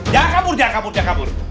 jangan kabur jangan kabur jangan kabur